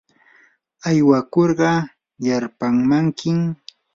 aywakurqa yarpaamankim.